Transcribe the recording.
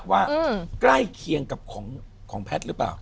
ว่าใกล้เคียงกับของแพทย์หรือเปล่า